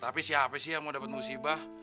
tapi siapa sih yang mau dapat musibah